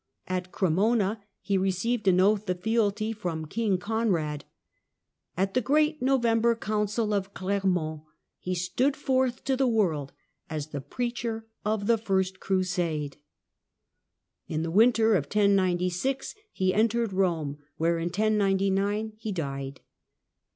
At Cremona he received an oath of fealty from King Conrad. At the great November Council of Clermont he stood forth to the world as the preacher of tlie First Crusade (see chap. x.). In the winter of 1096 he entered Eome, i>eath of where in 1099 he died.